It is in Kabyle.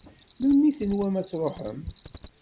Melmi i tenwam ad tṛuḥem?